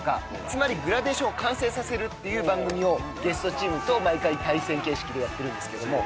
つまりグラデーションを完成させるっていう番組をゲストチームと毎回対戦形式でやってるんですけども。